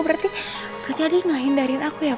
berarti adi gak hindarin aku ya